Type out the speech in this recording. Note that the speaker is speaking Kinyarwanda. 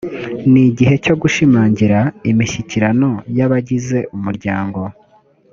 ni igihe cyo gushimangira imishyikirano y abagize umuryango